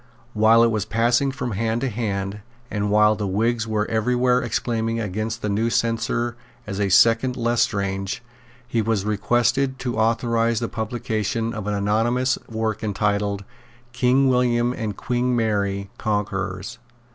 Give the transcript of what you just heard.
While it was passing from hand to hand, and while the Whigs were every where exclaiming against the new censor as a second Lestrange, he was requested to authorise the publication of an anonymous work entitled King William and Queen Mary Conquerors.